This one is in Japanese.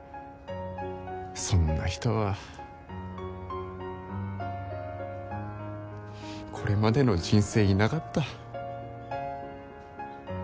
そんな人はこれまでの人生いなかった。